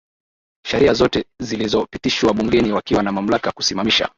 sharia zote zilizopitishwa bungeni wakiwa na mamlaka kusimamisha